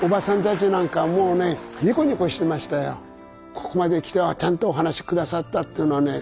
ここまで来てちゃんとお話し下さったっていうのはね